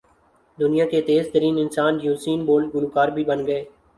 دنیا کے تیز ترین انسان یوسین بولٹ گلو کار بھی بن گئے